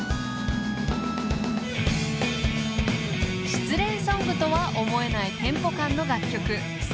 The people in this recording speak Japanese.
［失恋ソングとは思えないテンポ感の楽曲］